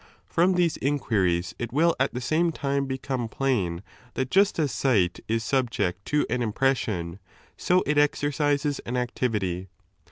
From these inquiries it will at the same time I become plain that just as sight is subject to an impres Bion, so it exercises an activity.